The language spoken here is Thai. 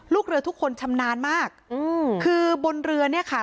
ลูกเรือทุกคนชำนาญมากอืมคือบนเรือเนี่ยค่ะ